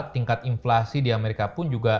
tingkat inflasi di amerika pun juga